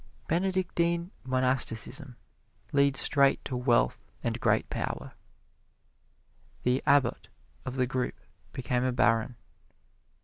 Benedictine monasticism leads straight to wealth and great power. The Abbot of the group became a Baron.